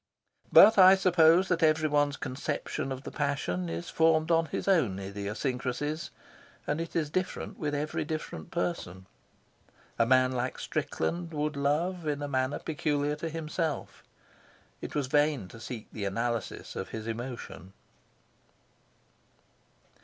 But I suppose that everyone's conception of the passion is formed on his own idiosyncrasies, and it is different with every different person. A man like Strickland would love in a manner peculiar to himself. It was vain to seek the analysis of his emotion.